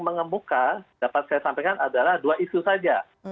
mengemuka dapat saya sampaikan adalah dua isu saja